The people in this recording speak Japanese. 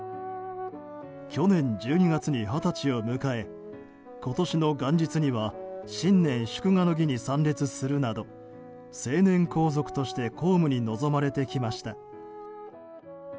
去年１２月に二十歳を迎え今年の元日には新年祝賀の儀に参列するなど成年皇族として公務に臨まれてきました。